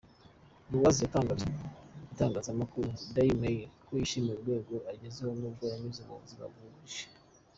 Loise yatangarije igitangazamakuru Dail Mail ko yishimira urwego ugezeho nubwo yanyuze mu buzima buruhije.